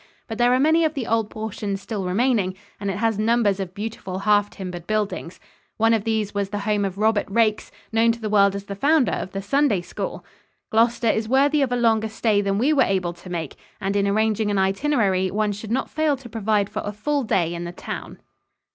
But there are many of the old portions still remaining and it has numbers of beautiful half timbered buildings. One of these was the home of Robert Raikes, known to the world as the founder of the Sunday School. Gloucester is worthy of a longer stay than we were able to make, and in arranging an itinerary one should not fail to provide for a full day in the town. [Illustration: IN GLOUCESTERSHIRE. From Water Color by A.